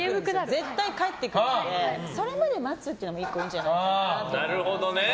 絶対帰ってくるのでそれまで待つというのがいいじゃないかなと。